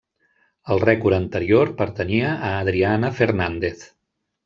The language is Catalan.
El rècord anterior pertanyia a Adriana Fernández.